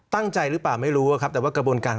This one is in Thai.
ตั้งใจหรือเปล่าไม่รู้อะครับแต่ว่ากระบวนการ